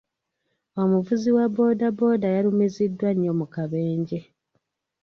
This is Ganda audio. Omuvuzi wa bood booda yalumiziddwa nnyo mu kabenje.